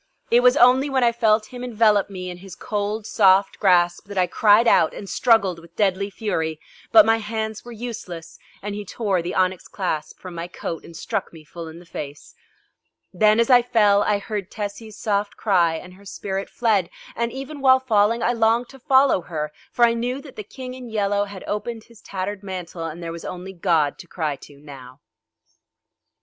It was only when I felt him envelope me in his cold soft grasp that I cried out and struggled with deadly fury, but my hands were useless and he tore the onyx clasp from my coat and struck me full in the face. Then, as I fell, I heard Tessie's soft cry and her spirit fled: and even while falling I longed to follow her, for I knew that the King in Yellow had opened his tattered mantle and there was only God to cry to now.